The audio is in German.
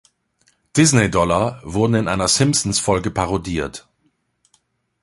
Disney Dollar wurden in einer Simpsons-Folge parodiert.